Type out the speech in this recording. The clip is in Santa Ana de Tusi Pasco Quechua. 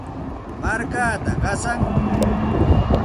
Markaata qasanmi.